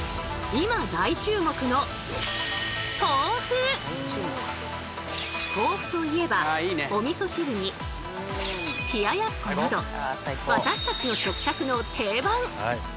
今大注目の豆腐といえばおみそ汁に冷奴など私たちの食卓の定番！